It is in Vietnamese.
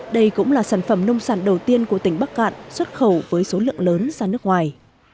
đây cũng là sản phẩm nông sản đầu tiên của tỉnh bắc cạn xuất khẩu với số lượng lớn ra nước ngoài